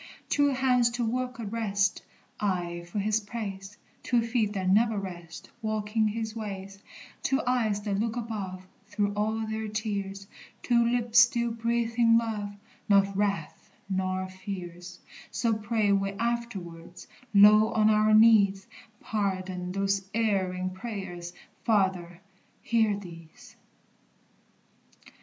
"Two hands to work addrest Aye for his praise; Two feet that never rest Walking his ways; Two eyes that look above Through all their tears; Two lips still breathing love, Not wrath, nor fears:" So pray we afterwards, low on our knees; Pardon those erring prayers! Father, hear these!